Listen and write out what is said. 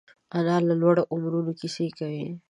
انا له لوړو عمرونو کیسې کوي